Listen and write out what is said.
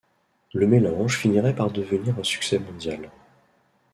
Le mélange finirait par devenir un succès mondial.